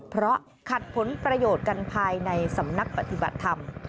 เพราะขัดผลประโยชน์กันภายในสำนักปฏิบัติธรรม